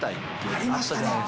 ありましたね。